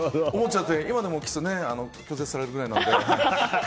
今でもキスを拒絶されるくらいなので。